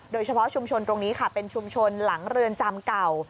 โดยเฉพาะชุมชนตรงนี้ค่ะเป็นชุมชนหลังเรือนจำเก่า